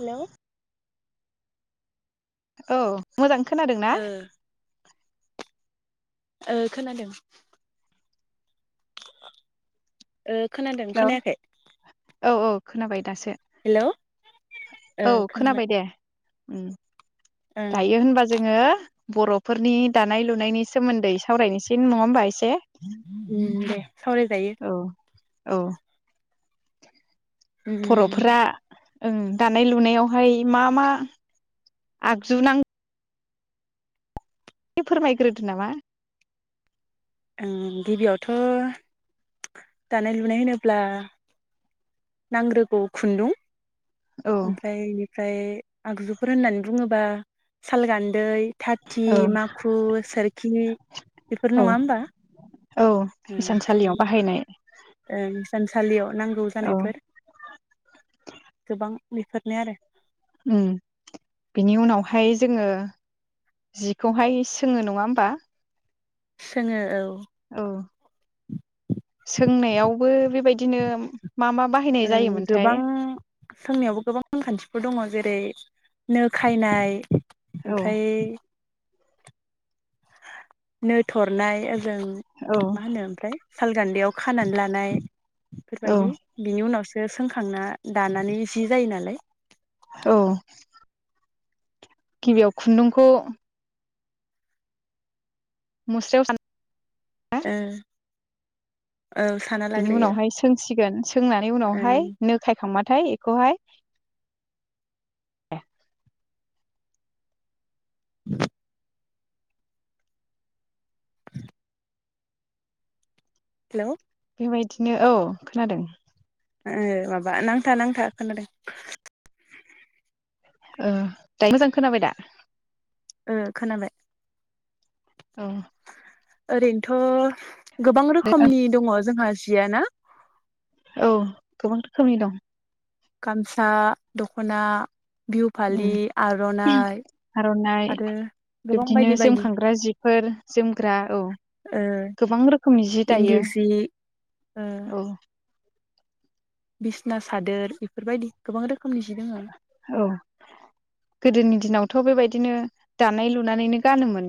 Hello औ मोजां खोनादों ना? ओ ओ खोनादों। [inaudible] ओ खोनादों हेलौ खोनायाखै? औ औ खोनाबाय? दासो हेलौ औ खोनाबाय दे। उम ओं दायो होनबा जोङो बर'फोरनि दानाय लुनायनि सोमोन्दै सावरायनोसै नङा ओमबा इसे उम दे। सावरायजायो। औ उम फर'फोरा ओं दानाय लुनायावहाय मा मा आगजुु नां एसे फोरमायग्रोदो नामा? ओं गिबियावथ' दानाय लुनाय होनोब्ला नांग्रोगौ खुन्दुं। औ ओमफ्राय बेनिफ्राय आगजुफोर होननानै बुङोब्ला बा साल गान्दै थाथि औ माखु सोरखि बेफोर औ नङा होमबा? औ हिसान सालियाव बाहायनाय। इसान सालियाव नांगौ औ जानायफोर गोबां बेफोरनो आरो उम बिनि उनावहाय जोङो जिखौहाय सोङो नङा होमबा, सोङो औ औ सोंनायावबो बेबायदिनो मा मा बाहायनाय ओं जायोमोनथाय? गोबां सोंनायावबो गोबां नेमखान्थिफोर दङ जेरै नो खायनाय औ ओमफ्राय नो थरनाय जों औ मा होनो ओमफ्राय सालगान्दैयाव खानानै लानाय औ बेफोरबायदि बिनि उनावसो बेखौ सोंखांना दानानै जि जायो नालाय औ गिबियाव खुन्दुंखौ मस्रायाव साना ओ औ साना बिनि लाग्रोयो उनावहाय सोंसिगोन सोंनानै ओं उनावहाय नो खायखांबा थाय बेखौहाय [inaudible] [inaudible] हेलौ बेबायदिनो औ खोनादों ओ माबा नांथा नांथा खोनादों ओ दायो मोजां खोनाबाय दा ओ खोनाबाय औ ओरैनोथ' गोबां रोखोमनि दङ जोंहा जियाना औ गोबां रोखोमनि दं गामसा दख'ना बिहु फालि आर'नाइ आर'नाइ आरो गोबां बिब्दिनो बायदि बायदि जोमखांग्रा जिफोर जोमग्रा औ ओ गोबां रोखोमनि जि इन्दि दायो सि औ बिसिना सादोर बेफोरबायदि गोबां रो औ गोदोनि दिनाव थ' बेबायदिनो दानाय लुनानैनो गानोमोन।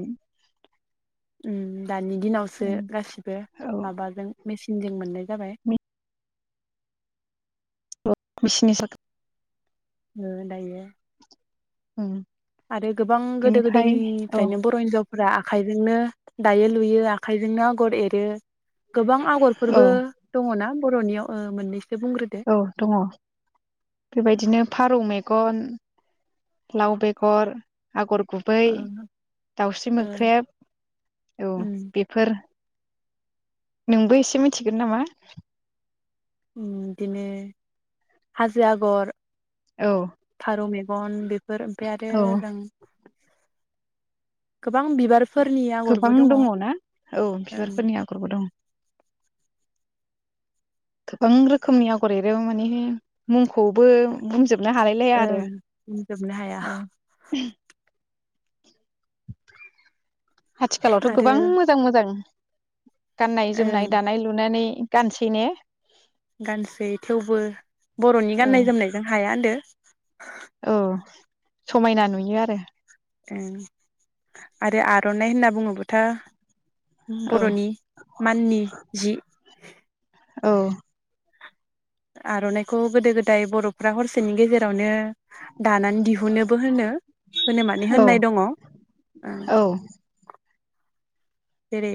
अम दानि दिनावसो उम गासिबो औ माबाजों मेसि न जों मोननाय जाबाय। [unintelligible] ओ दायो अम आरो गोबां औ गोदो-गोदायनिफ्रायनो बर' हिनजावफोरा आखाइजोंनो दायो लुयो आखाइजोंनो आगर एरो गोबां औ आगरफोरबो दंङ ना बर'नियाव ओ मोननै औ दंङ बेबायदिनो फारौ मे मन लाव बेगर आगर गुबै ओ दाउस्रि ओ मोख्रेब औ उम बेफोर नोंबो एसे मिथिगोन नामा बिदिनो हाजो आगर औ गन बेफोर ओमफाय आरो औ जों गोबां बिबारफोरनि आगरबो गोबां दङ ओं ना औ ओं बिबारफोरनि आगरबो दंङ गोबां रोखोमनि आगर एरो माने मुंखौबो बुंजोब नो हालायलाया आरो बुंजोबनो हाया औ आथिखालावथ' गोबां आरो मोजां मोजां गाननाय जोमनाय ओं दानाय लुनानै गानसैने गानसै थेवबो बर'नि औ गाननाय जोमनायजों हाया होनदो [inaudible] औ समायना नुयो आरो। ओं आरो आर'नाइ होनना बुंङोबाथ औ बर'नि माननि जि औ। आर'नाइखौ गोदो गोदाय बर'फ्रा हरसेनि गेजेरावनो दानानै दिहुनोबो होनो होनो माने औ होननाय दङ। औ जेरै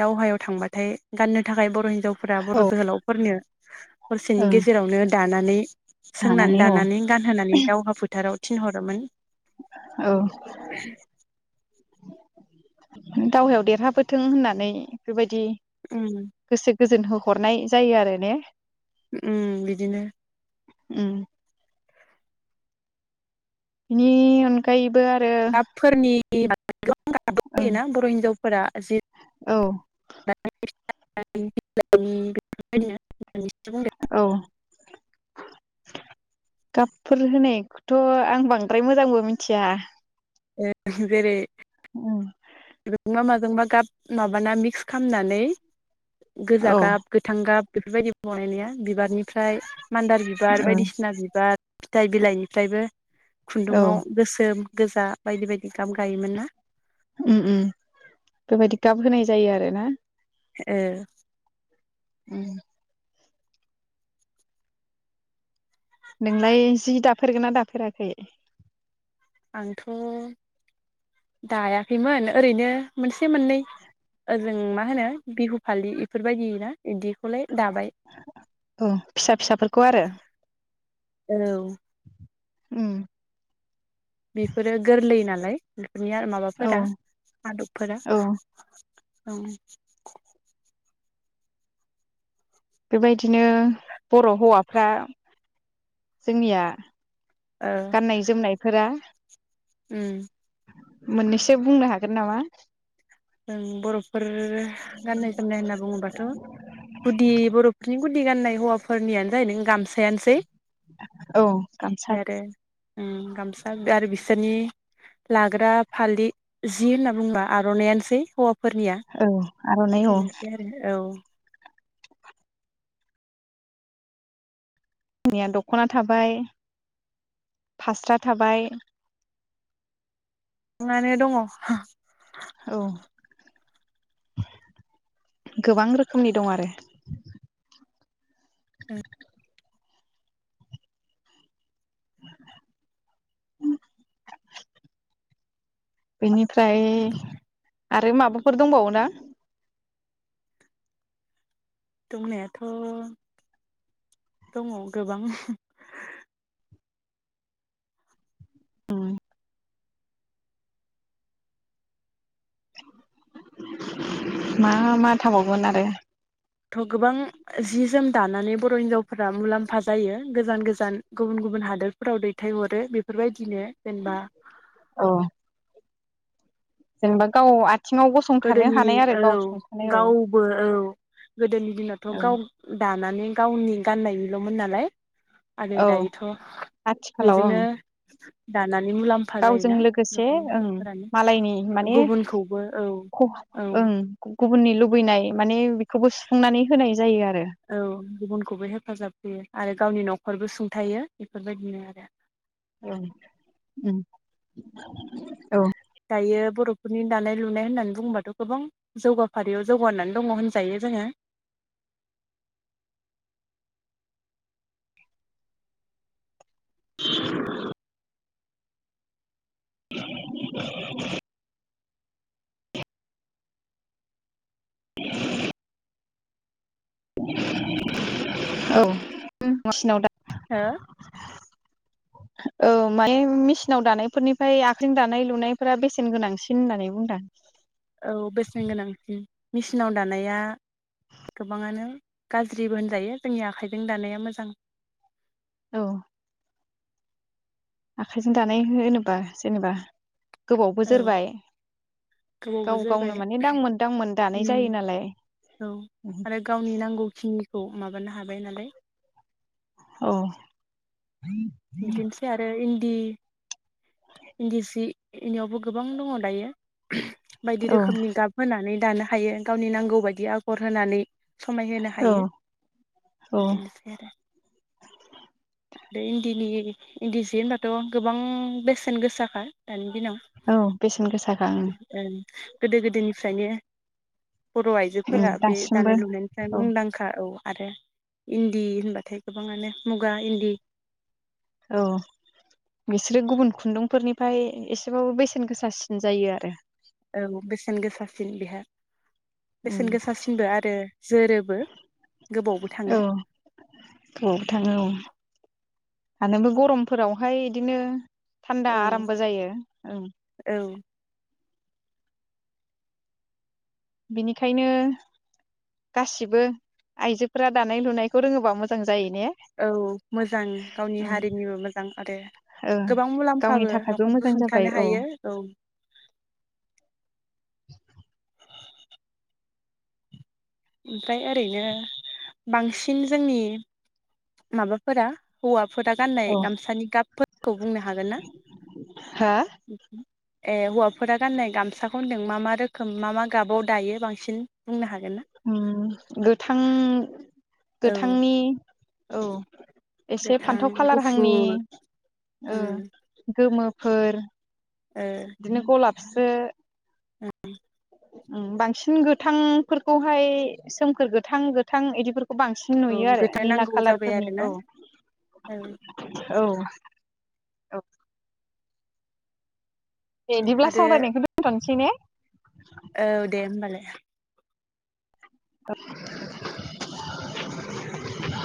दावहायाव थांबाथाय गाननो थाखाय बर' हिजाव हिनजावफोरा बर' औ जोहोलावफोरनो स हरसेनि ओं गेजेरावनो दानानै - सोंनानै दानानै गानहोनानै दावहा फोथाराव थिनहरोमोन। औ। दावहायाव देरहाबोथों होननानै बेबायदि दि उम गोसो गोजोन होहरनाय जायो आरो ने? उ बिदिनो ओ बिनि अनगायैबो आरो दाबफोरनि [unintelligible] ओं फैयोना बर' हिनजावफोरा जि औ [unintelligible] [unintelligible] [unintelligible] औ गाबफोर होनायखौथ' आं बांद्राय मोजांबो मिथिया। ए जेरै उम [unintelligible] जोंबा गाब माबाना मिक्स खामनानै गोजा औ गाब, गोथां गाब, बेफोरबायदि बनायो। बिबारनिफ्राय मान्दार बिबार, औ बायदिसिना बिबार फिथाइ, बिलाइनिफ्रायबो औ खुन्दुङाव गोसोम, गोजा बेबायदि गाब गायोमोन ना? ओम ओम बेबायदि गाब होनाय जायो आरो ना। ओ उम नोंलाय जि दाफेरगोन ना दाफेराखै? आंथ' दायाखैमोन ओरैनो मोनसे मोननै ओजों मा होनो बिहु फालि एफोरबायदि ना इदिखौलाय औ फिसा फिसाफोरखौ आरो। औ उम। बेफोरो गोरलै नालाय। [unintelligible] औ बाफोरा आदबफोरा औ औ। बेबायदिनो बर' हौवाफ्रा जोंनिया ओ गाननाय जोमनाय फोरा। उम मोननैसो बुंनो हागोन नामा? जों बर'फोर गाननाय जोमनाय होनना बुङोबाथ' गुदि बर'फोरनि गुदि गाननाय हौवाफोरनियानो जाहैदों गामसायानोसै। औ गामसा। आरो उम गामसा आरो बिसोरनि लाग्रा फालि जि होनना बुंबा आर'नायानोस [unintelligible] फोरनिया औ आर'नाइ औ बेनोसै आरो औ जोंनिया दख'ना थाबाय, फास्रा थाबाय, [unintelligible] दङ' औ गोबां रोखोमनि दं आरो। उम। बेनिफ्राय आरो माबाफोर दंबावो ना? दंनायाथ' दङ गोबां। उम। मा मा थाबावगोन आरो? थ' गोबां जि जोम दानानै बर' हिनजावफोरा मुलाम्फा जायो गोजान गोजान गुबुन गुबुन हादोरफोराव दैथायहरो बेफोरबायदिनो जेनबा औ जेनेबा गाव आथ गोदोनि औ औ गावबो औ गोदोनि दिनावथ' ओं गाव दानानै गावनि गाननायनिल'मोन नालाय आरो औ दायोथ' आथिखालाव ओं बेजोंनो दा नानै मुलाम्फा गावजों जायोना लोगोसे गोबां ओं हिन्जावफोरानो गुबुनखौबो औ ख' औ ओं गु-गुबुननि लुबैनाय माने खौबो सुफुंनानै होनाय जायो आर औ गुबुनखौबो हेफाजाब होयो। आरो गावनि न'खरबो सुंथायो बेफोरबायदिनो आरो। औ उम औ। दायो बर'फोरनि दानाय लुनाय होननानै बुङोबाथ' गोबां जौगाफारियाव जौगानानै दङ होनजायो जोङो। [unintelligible] [unintelligible] [unintelligible] [inaudible] औ मेसिनाव दा हो औ माने मेसि सिनाव दानायफोरनिफाय आखाइजों दानाय लुनायफोरा बेसेन गोनांसिन होननानै बुंदां। औ बेसेन गोनांसिन मेसिनाव दानाया गोबाङानो गाज्रिबो होनजायो जोंनि आखाइजों दानाया मोजां। औ। आखाइजों दानाय हो-होनोबा जेनेबा गोबावबो औ जोरबाय गोबावबो गाव जोरबाय गावनो माने दांमोन दांमोन दानाय उम जायो नालाय औ उम। आरो गावनि नांगौखिनिखौ माबानो हाबाय नालाय औ। बिदिनोसै आरो इन दि इन्दि सि इनियावबो गोबां दङ दायो। बायदि औ रोखोमनि गाब होनानै दानो हायो गावनि नांगौ बायदि आगर होनानै समायहोनो औ हायो औ बिदिनोसै आरो बे इन्दि इन्दिजि होनबाथ' गोबां बेसेन गोसाखा दानि दिनाव औ बेसेन गोसाखा ओं। गोदो गोदोनिफ्रायनो बर' ओं आइजोफोरा बे दासिमबो दानाय लुनायनिफ्राय औ मुंदांखा औ। आरो इन्दि होनबाथाय गोबाङानो मुगा इन्दि औ बिसोरो गुबुन खुन्दुंफोरनिफ्राय एसेबाबो बेसेन गोसासिन जायो आरो। औ बेसेन गोसासिन बेहा बेसेन उम गोसासिनबो आरो जोरोबो गोबावबो औ थाङो। आरो नोंबो गरमफोरावहाय इदिनो थान्दा औ आरामबो जायो ओ औ बिनिखायनो गासिबो आइजोफोरा दानाय लुनायखौ रोङोबा मोजां। जायो ने औ मोजां गावनि ओं हारिनिबो मोजां आरो ओ गोबां गावनि मुलाम्फाबो थाखायबो न'खरबो मोजां जाबाय सुंथानो हायो औ ओमफ्राय ओरैनो बांसिन जोंनि माबाफोरा हौवा फोरा गाननाय औ गामसानि गाबफोरखौ बुंनो हागोन ना? हा ए हौवाफोरा गाननाय गामसाखौ होनदों मा मा रोखोम मा मा गाबाव दायो बांसिन बुंनो हागोन ना? उम गोथां औ गोथांनि औ एसे गोथां फान्थाव खालारहांनि गुफुर ओं ओम गोमोफोर बिदिनो गलाब एसे उम उम बांसिन गोथांफोरखौहाय सोमखोर गोथां गोथां इदिफोर- खौ बांसिन नुयो आरो गोथां निला नांगौ कालार जाबाय फोरनि आरोना औ औ औ औ ए बिदिब्ला आरो सावरायनायखौ दोनथ'नोसै ने? औ दे होमबालाय। [unintelligible]